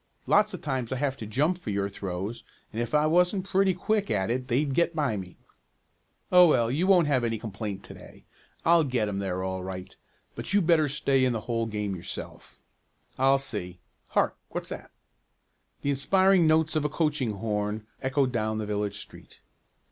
Lots of times I have to jump for your throws, and if I wasn't pretty quick at it they'd get by me." "Oh, well, you won't have any complaint to day. I'll get 'em there all right. But you'd better stay in the whole game yourself." "I'll see. Hark, what's that?" The inspiring notes of a coaching horn echoed down the village street.